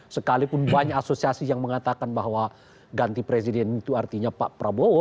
sekalipun banyak asosiasi yang mengatakan bahwa ganti presiden itu artinya pak prabowo